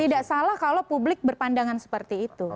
tidak salah kalau publik berpandangan seperti itu